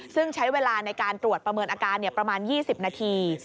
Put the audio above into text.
ซึ่งใช้เวลาในการตรวจประเมินอาการประมาณ๒๐นาที